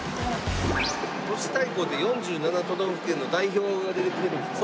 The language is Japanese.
都市対抗って４７都道府県の代表が出てきてるんですか？